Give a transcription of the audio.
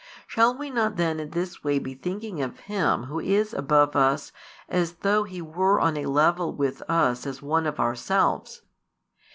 Shall we not then in this way be thinking of Him Who is above us as though He were on a level with us as one of ourselves?